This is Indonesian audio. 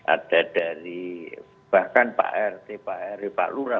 ada dari bahkan pak rt pak rw pak lura